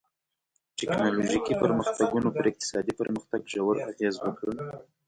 ټکنالوژیکي پرمختګونو پر اقتصادي پرمختګ ژور اغېز وکړ.